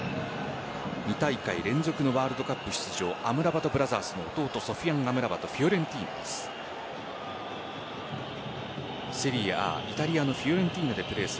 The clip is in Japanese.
２大会連続のワールドカップ出場アムラバトブラザーズの弟ソフィアン・アムラバトフィオレンティーナです。